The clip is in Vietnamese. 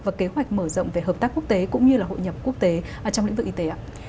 và kế hoạch mở rộng về hợp tác quốc tế cũng như là hội nhập quốc tế trong lĩnh vực y tế ạ